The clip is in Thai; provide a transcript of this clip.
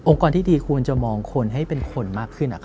กรที่ดีควรจะมองคนให้เป็นคนมากขึ้น